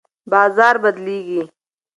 بازار بدلیږي.